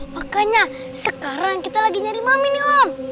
makanya sekarang kita lagi nyari mami nih om